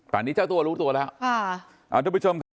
ตอนนี้เจ้าตัวรู้ตัวแล้ว